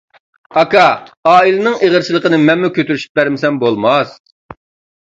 — ئاكا، ئائىلىنىڭ ئېغىرچىلىقىنى مەنمۇ كۆتۈرۈشۈپ بەرمىسەم بولماس.